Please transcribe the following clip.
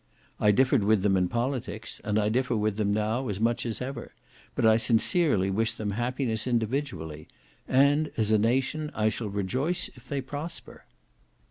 I differed with them in politics, and I differ with them now as much as ever; but I sincerely wish them happiness individually; and, as a nation, I shall rejoice if they prosper.